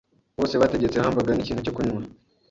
Bose bategetse hamburger n'ikintu cyo kunywa.